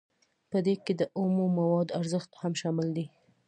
په دې کې د اومو موادو ارزښت هم شامل دی